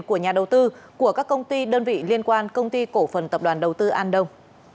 của nhà đầu tư của các công ty đơn vị liên quan công ty cổ phần tập đoàn đầu tư an đông